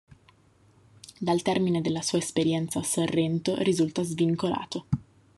Dal termine della sua esperienza a Sorrento risulta svincolato.